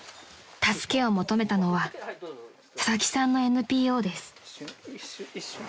［助けを求めたのは佐々木さんのＮＰＯです］